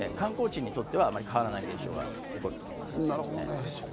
観光地にとってはあまり変わらない現象が起こっています。